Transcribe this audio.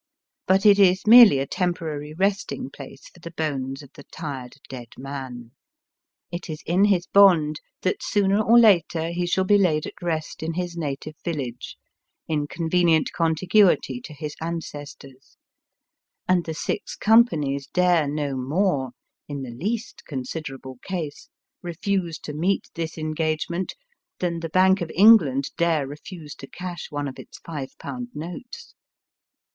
But it is merely a tem porary resting place for the bones of the tired dead man. It is in his bond that sooner or later he shall be laid at rest in his native village, in convenient contiguity to his ances tors, and the Six Companies dare no more, in the least considerable case, refuse to meet this engagement than the Bank of England dare refuse to cash one of its five pound notes.